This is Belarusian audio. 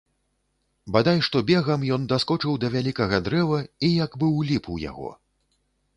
Бадай што бегам ён даскочыў да вялікага дрэва і як бы ўліп у яго.